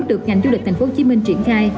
được ngành du lịch tp hcm triển khai